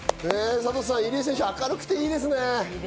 サトさん、入江選手、明るくていいですね。